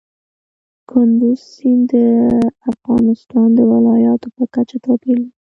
کندز سیند د افغانستان د ولایاتو په کچه توپیر لري.